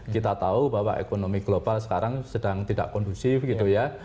kita tahu bahwa ekonomi global sekarang sedang tidak kondusif gitu ya